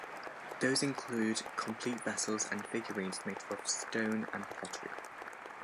Those include complete vessels and figurines made of stone and pottery.